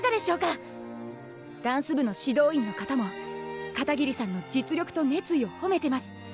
ダンス部の指導員の方も片桐さんの実力と熱意を褒めてます。